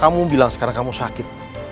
kamu bilang sekarang kamu sakit